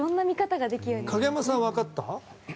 影山さんは分かった？